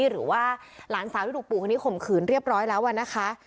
หรือว่าหลานสาวที่ถูกปู่คนนี้ข่มขืนเรียบร้อยแล้วนะคะ